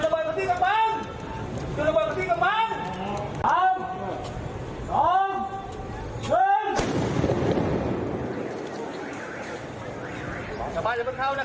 ปล่อยปล่อยปล่อย